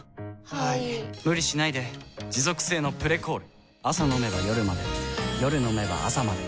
はい・・・無理しないで持続性の「プレコール」朝飲めば夜まで夜飲めば朝まで